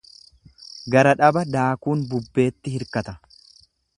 Gara dhaba daakuun bubbeetti hirkata.